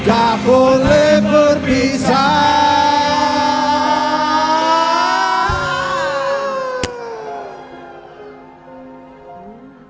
tak boleh berpisah